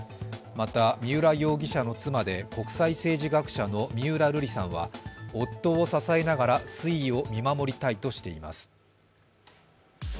また三浦容疑者の妻で国際政治学者の三浦瑠麗さんは夫を支えながら推移を見守りたいとしています。